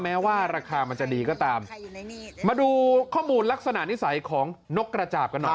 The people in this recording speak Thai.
แม้ว่าราคามันจะดีก็ตามมาดูข้อมูลลักษณะนิสัยของนกกระจาบกันหน่อย